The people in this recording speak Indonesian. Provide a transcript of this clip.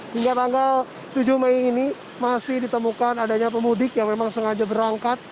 hingga tanggal tujuh mei ini masih ditemukan adanya pemudik yang memang sengaja berangkat